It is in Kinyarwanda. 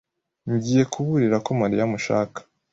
Ngiye kuburira ko Mariya amushaka.